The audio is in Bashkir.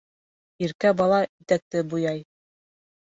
Иркә бала итәкте буяй.